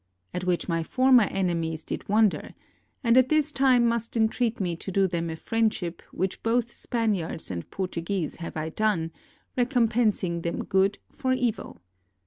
At which my former enemies did wonder, 329 JAPAN and at this time must entreat me to do them a friendship, which to both Spaniards and Portuguese have I done, recompensing them good for evil.